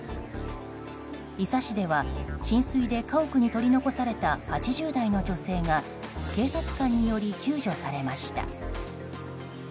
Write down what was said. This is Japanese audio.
伊佐市では浸水で家屋に取り残された８０代の女性が警察官により救助されました。